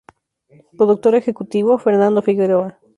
Productor ejecutivo: Fernando Figueroa.